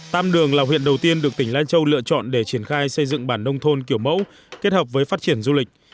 tam đường là huyện đầu tiên được tỉnh lai châu lựa chọn để triển khai xây dựng bản nông thôn kiểu mẫu kết hợp với phát triển du lịch